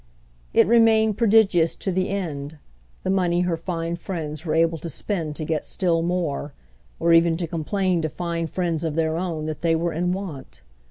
It remained prodigious to the end, the money her fine friends were able to spend to get still more, or even to complain to fine friends of their own that they were in want.